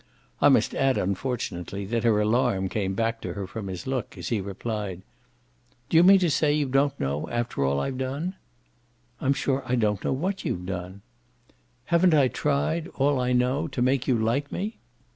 I must add unfortunately that her alarm came back to her from his look as he replied: "Do you mean to say you don't know, after all I've done?" "I'm sure I don't know what you've done." "Haven't I tried all I know to make you like me?"